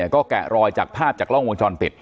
ก็แกะรอยจากภาพจากกล้องวงจรปิด